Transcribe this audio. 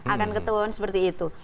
akan ketahuan seperti itu